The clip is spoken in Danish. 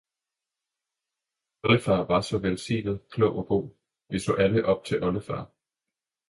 Oldefar var så velsignet, klog og god, vi så alle op til oldefar.